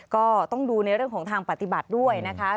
ก็ต้องดูในเรื่องของทางปฏิบัติด้วยนะคะ